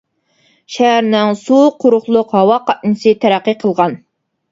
شەھەرنىڭ سۇ، قۇرۇقلۇق، ھاۋا قاتنىشى تەرەققىي قىلغان.